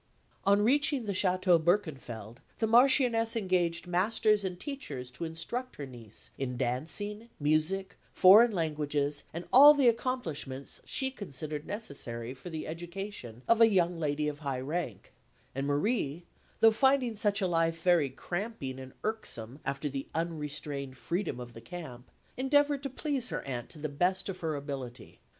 On reaching the Château Berkenfeld, the Marchioness engaged masters and teachers to instruct her niece in dancing, music, foreign languages, and all the accomplishments she considered necessary for the education of a young lady of high rank; and Marie, though finding such a life very cramping and irksome after the unrestrained freedom of the camp, endeavoured to please her aunt to the best of her ability.